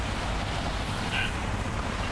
زخمونه باید په خورا ډېر احتیاط سره وساتل شي.